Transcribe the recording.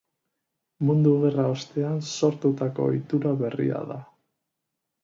Mundu Gerra ostean sortutako ohitura berria da.